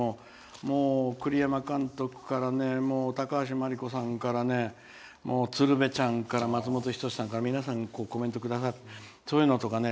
もう、栗山監督から高橋真梨子さんから鶴瓶ちゃんから松本人志さんから皆さん、コメントくださってそういうのとかね。